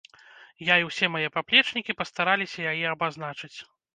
Я і ўсе мае паплечнікі пастараліся яе абазначыць.